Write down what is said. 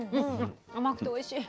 甘くておいしい。